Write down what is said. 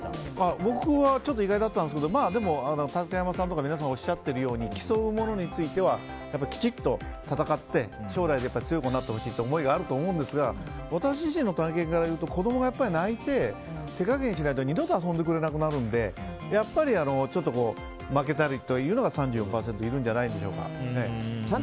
僕は意外だったんですけどでも竹山さんとか皆さんおっしゃっているように競うものについてはきちっと戦って、将来は強い子になってほしいという思いがあると思うんですが私自身の体験からいうと子供が泣いて手加減しないと二度と遊んでくれなくなるのでやっぱりちょっと負けたりというのが３４％いるんじゃないでしょうか。